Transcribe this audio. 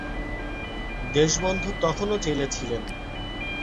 দেশবন্ধু তখনও জেলে ছিলেন।